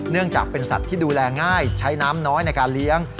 เนื่องจากเป็นสัตว์ที่ดูแลง่ายใช้น้ำน้อยในการเลี้ยง